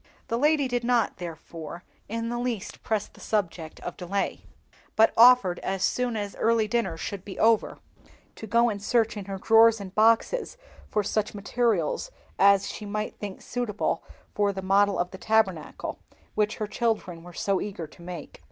The lady did not, therefore, in the least press the subject of delay, but offered, as soon as early dinner should be over, to go and search in her drawers and boxes for such materials as she might think suitable for the model of the Tabernacle, which her children were so eager to make.